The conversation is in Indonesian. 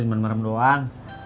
cuman merem doang